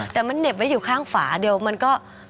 แต่มันเหน็บไว้อยู่ข้างฝาเดียวมันก็